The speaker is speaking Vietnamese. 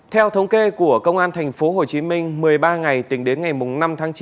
theo thống kê của công an tp hcm một mươi ba ngày tính đến ngày năm tháng chín